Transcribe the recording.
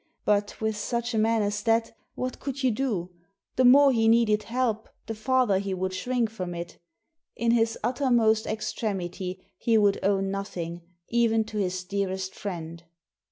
But, with such a man as that, what could you do ? The more he needed help the farther he would shrink from it In his uttermost extremity he would owe nothing, even to his dearest friend."